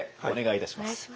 お願いいたします。